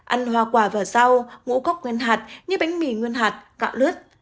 ăn hoa quả và rau ngũ cốc nguyên hạt như bánh mì nguyên hạt cạo lứt